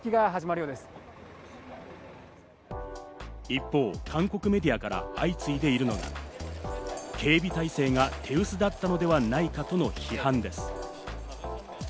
一方、韓国メディアから相次いでいるのが警備態勢が手薄だったのではないかとの批判です。